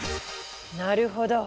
なるほど！